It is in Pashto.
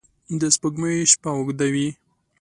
د سپوږمۍ شپه اوږده وي